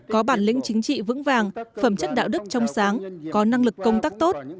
có bản lĩnh chính trị vững vàng phẩm chất đạo đức trong sáng có năng lực công tác tốt